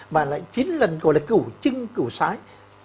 mà lại chín lần gọi là cửu chưng cửu sái